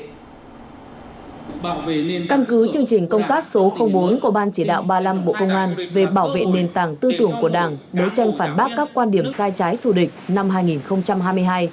chiều nay học viện an ninh nhân dân bộ công an tổ chức lễ phát động cuộc thi viết chính luận về bảo vệ nền tảng tư tưởng của đảng đấu tranh phản bác các quan điểm sai trái thù địch năm hai nghìn hai mươi hai